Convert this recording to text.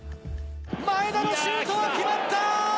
前田のシュートが決まった！